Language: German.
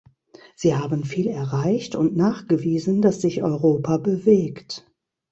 Sie haben viel erreicht und nachgewiesen, dass sich Europa bewegt.